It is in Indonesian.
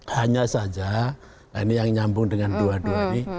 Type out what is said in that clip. hanya saja nah ini yang nyambung dengan dua dua ini